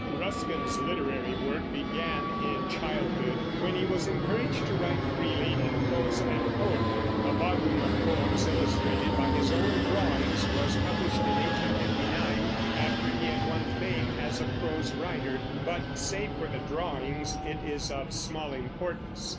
Ruskin's literary work began in childhood, when he was encouraged to write freely in prose and poetry. A volume of poems illustrated by his own drawings was published in 1859, after he had won fame as a prose writer, but, save for the drawings, it is of small importance.